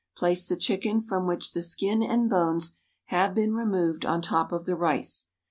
Place the chicken from which the skin and bones have been removed on top of the rice.